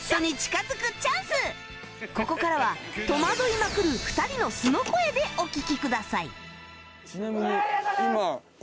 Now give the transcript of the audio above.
ここからは戸惑いまくる２人の素の声でお聞きください